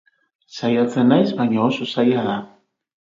Saiatzen naiz, baina oso zaia da.